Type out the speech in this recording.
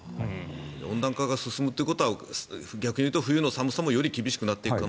温暖化が進んでるということは逆にいうと冬の寒さもより厳しくなると。